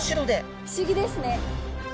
不思議ですね。